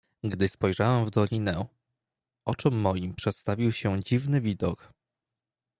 "Gdy spojrzałem w dolinę, oczom moim przedstawił się dziwny widok."